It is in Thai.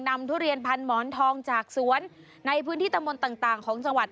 ทุเรียนพันหมอนทองจากสวนในพื้นที่ตะมนต์ต่างของจังหวัด